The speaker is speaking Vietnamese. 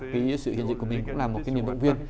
cái sự hiển dị của mình cũng là một cái niềm động viên